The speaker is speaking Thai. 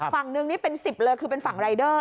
ฝั่งนึงนี่เป็น๑๐เลยคือเป็นฝั่งรายเดอร์